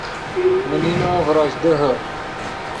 من نینو غروش دیہے